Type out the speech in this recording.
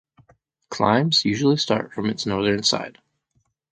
Climbs usually start from its northern side.